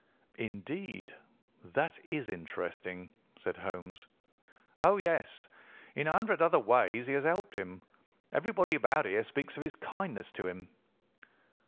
"Indeed! That is interesting," said Holmes. "Oh, yes! In a hundred other ways he has helped him. Everybody about here speaks of his kindness to him."